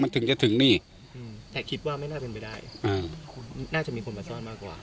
ถึงจะถึงนี่แต่คิดว่าไม่น่าเป็นไปได้น่าจะมีคนมาซ่อนมากกว่า